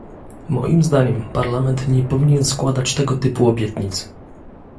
Moim zdaniem, Parlament nie powinien składać tego typu obietnic